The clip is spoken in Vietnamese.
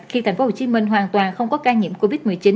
khi thành phố hồ chí minh hoàn toàn không có ca nhiễm covid một mươi chín